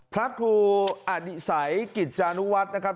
พระครูอนิสัยกิจจานุวัฒน์นะครับ